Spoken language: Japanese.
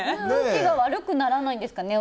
空気が悪くならないんですかね